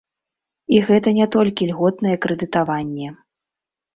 І гэта не толькі льготнае крэдытаванне.